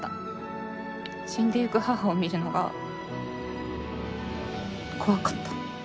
死んでゆく母を見るのが怖かった。